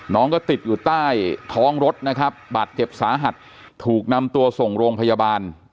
น้องก็ติดอยู่ใต้ท้องรถนะครับบาดเจ็บสาหัสถูกนำตัวส่งโรงพยาบาล